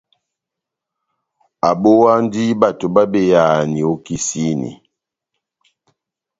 Abówandi bato babeyahani ó kisini.